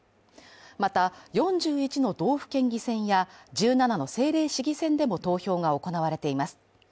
また４１の道府県議選や１７の政令市議選でも投票が行われています。